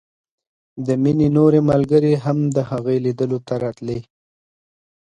د مينې نورې ملګرې هم د هغې ليدلو ته تلې راتلې